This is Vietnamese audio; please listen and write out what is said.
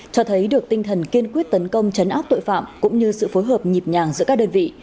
cho thấy được tinh thần kiên quyết tấn công chấn áp tội phạm cũng như sự phối hợp nhịp nhàng giữa các đơn vị